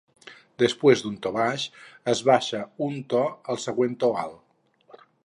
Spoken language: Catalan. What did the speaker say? Després d'un to baix, es baixa un to al següent to alt.